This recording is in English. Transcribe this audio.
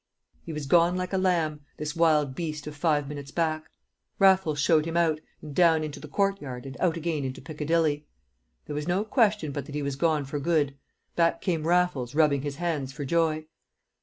He was gone like a lamb, this wild beast of five minutes back. Raffles showed him out, and down into the courtyard, and out again into Piccadilly. There was no question but that he was gone for good; back came Raffles, rubbing his hands for joy.